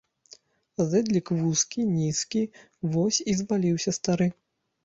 Зэдлік вузкі, нізкі, вось і зваліўся стары.